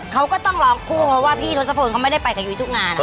เขาก็ต้องร้องคู่เพราะว่าพี่ทศพลเขาไม่ได้ไปกับยุ้ยทุกงาน